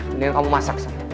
mendingan kamu masak sar